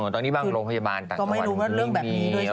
อ๋อตอนนี้บ้างโรงพยาบาลต่างวันนี้ยังมี